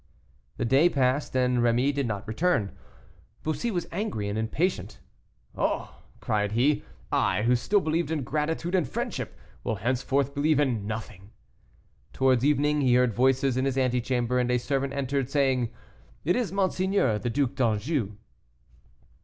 The day passed, and Rémy did not return. Bussy was angry and impatient. "Oh!" cried he, "I, who still believed in gratitude and friendship, will henceforth believe in nothing." Towards evening he heard voices in his ante chamber, and a servant entered, saying, "It is Monseigneur the Duc d'Anjou."